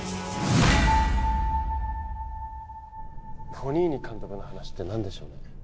フォニーニ監督の話って何でしょうね？